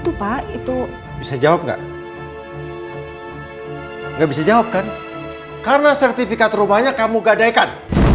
itu pak itu bisa jawab enggak enggak bisa jawab kan karena sertifikat rumahnya kamu gadaikan